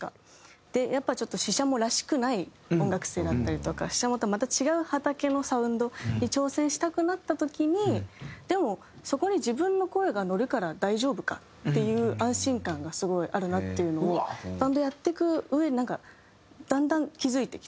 ちょっとＳＨＩＳＨＡＭＯらしくない音楽性だったりとかＳＨＩＳＨＡＭＯとはまた違う畑のサウンドに挑戦したくなった時にでもそこに自分の声が乗るから大丈夫かっていう安心感がスゴいあるなっていうのをバンドやっていくうえでだんだん気付いてきて。